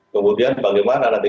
kemudian bagaimana nanti